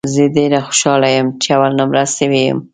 زه ډېر خوشاله یم ، چې اول نمره سوی یم